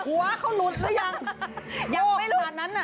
หัวเขาลุดแล้วยัง